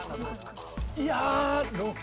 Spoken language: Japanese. いや！